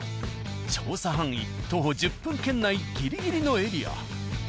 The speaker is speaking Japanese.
調査範囲徒歩１０分圏内ギリギリのエリア。